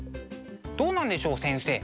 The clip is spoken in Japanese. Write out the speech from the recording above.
どうなんでしょう先生。